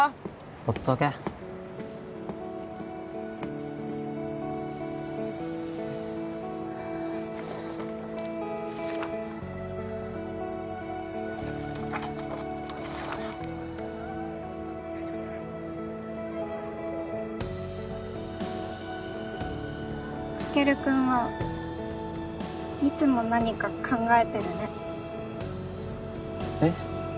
ほっとけカケル君はいつも何か考えてるねえっ？